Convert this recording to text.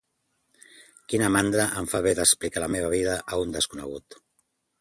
Quina mandra em fa haver d'explicar la meva vida a un desconegut